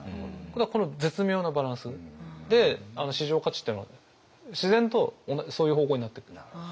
この絶妙なバランスで市場価値っていうのは自然とそういう方向になってくる。